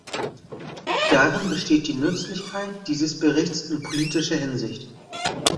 Darin besteht die Nützlichkeit dieses Berichts in politischer Hinsicht.